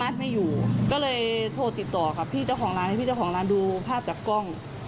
ดูภาพจากกล้อง